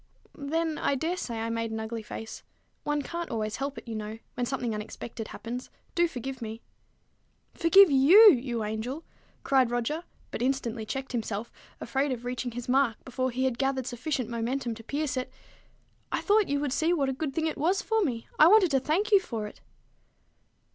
"Then, I dare say I made an ugly face. One can't always help it, you know, when something unexpected happens. Do forgive me." "Forgive you, you angel!" cried Roger, but instantly checked himself, afraid of reaching his mark before he had gathered sufficient momentum to pierce it. "I thought you would see what a good thing it was for me. I wanted to thank you for it."